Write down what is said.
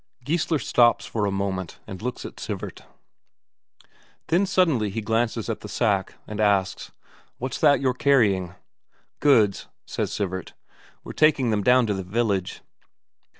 Geissler stops for a moment, and looks at Sivert. Then suddenly he glances at the sack, and asks: "What's that you're carrying?" "Goods," says Sivert. "We're taking them down to the village."